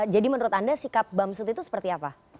jadi menurut anda sikap bamsud itu seperti apa